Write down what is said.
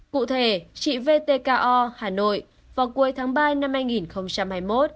cụ thể chị vtko hà nội vào cuối tháng ba năm hai nghìn hai mươi một